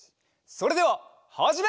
それでははじめ！